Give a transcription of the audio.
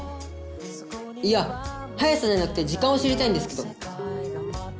いや速さじゃなくて時間を知りたいんですけど。